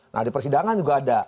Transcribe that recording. nah di persidangan juga ada